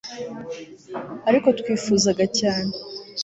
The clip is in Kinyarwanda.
ariko twifuzaga cyane